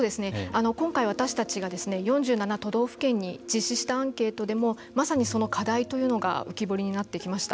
今回私たちが４７都道府県に実施したアンケートでもまさにその課題というのが浮き彫りになってきました。